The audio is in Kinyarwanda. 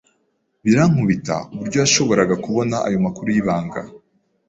Birankubita uburyo yashoboraga kubona ayo makuru y'ibanga.